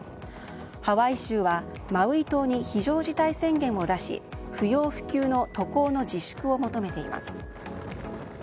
ハワイ州はマウイ島に非常事態宣言を出し不要不急の渡航の自粛を求めています。